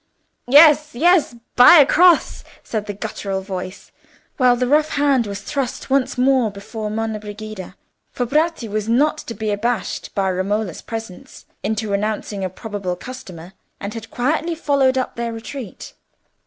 "Yes, yes; buy a cross!" said the guttural voice, while the rough hand was thrust once more before Monna Brigida: for Bratti was not to be abashed by Romola's presence into renouncing a probable customer, and had quietly followed up their retreat.